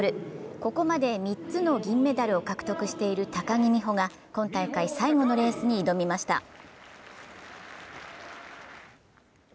ここまで３つの銀メダルを獲得している高木美帆が今大会最後のレースに挑みました。